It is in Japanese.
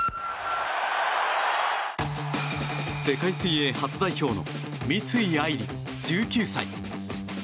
世界水泳初代表の三井愛梨、１９歳。